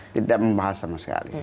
tidak membahas sama sekali